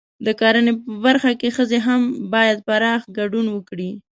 د کرنې په برخه کې ښځې هم باید پراخ ګډون وکړي.